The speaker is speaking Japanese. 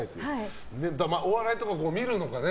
お笑いとか見るのかな？